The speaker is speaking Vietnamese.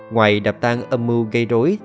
ngoài đập tăng âm mưu gây rối